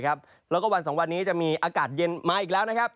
แล้วก็วัน๒วันนี้จะมีอากาศเย็นมาอีกแล้วนะครับ